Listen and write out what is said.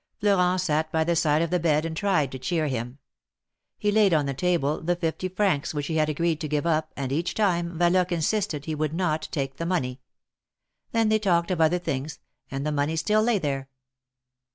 Florent sat by the side of the bed and tried to cheer him. He laid on the table the fifty francs which he had agreed to give up, and each time Yaloque insisted he would not take the money. Then they talked of other things, and the money still lay there.